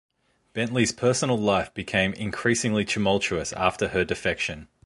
Bentley's personal life became increasingly tumultuous after her defection.